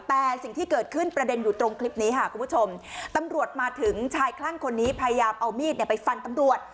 แต่สิ่งที่เกิดขึ้นประเด็นอยู่ตรงคลิปนี้ค่ะคุณผู้ชมตำรวจมาถึงชายคลั่งคนนี้พยายามเอามีดไปฟันตำรวจ